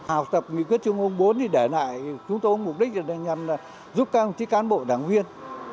học tập nghị quyết trung ương bốn thì để lại chúng tôi mục đích là nhằm giúp các ông chí cán bộ đảng viên